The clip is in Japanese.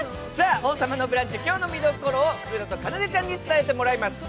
「王様のブランチ」今日の見どころを福田さんとかなでちゃんに伝えてもらいます。